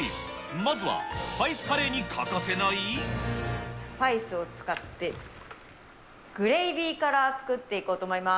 まずはスパイスカレーに欠かせなスパイスを使って、グレイビーから作っていこうと思います。